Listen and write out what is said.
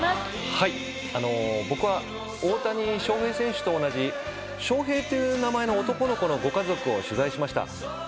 はい、僕は大谷翔平選手と同じ、翔平という名前の男の子のご家族を取材しました。